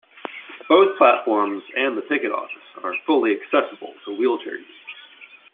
Both platforms and the ticket office are fully accessible to wheelchair users.